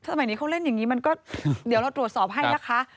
สมัยนี้เขาเล่นอย่างนี้มันก็เดี๋ยวเราตรวจสอบให้นะคะ